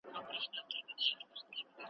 وېښته مي سپین دي په عمر زوړ یم .